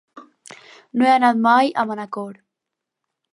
No he anat mai a Manacor.